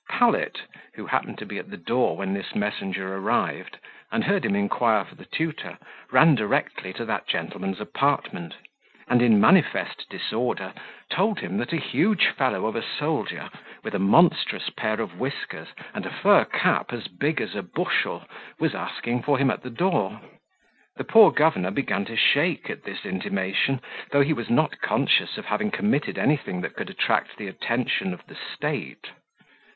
Pallet, who happened to be at the door when this messenger arrived, and heard him inquire for the tutor, ran directly to that gentleman's apartment, and in manifest disorder, told him that a huge fellow of a soldier, with a monstrous pair of whiskers, and fur cap as big as a bushel, was asking for him at the door. The poor governor began to shake at this intimation, though he was not conscious of having committed anything that could attract the attention of the state.